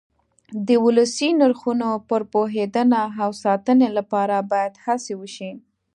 د ولسي نرخونو پر پوهېدنه او ساتنې لپاره باید هڅې وشي.